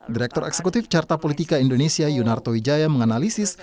direktur eksekutif carta politika indonesia yunarto wijaya menganalisis